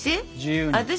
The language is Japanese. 私？